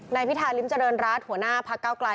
ในพิธาฤทธาลินเจริญรัฐหัวหน้าภาคเก้ากลาย